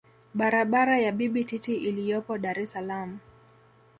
Barabara ya Bibi Titi iliyopo Dar es salaam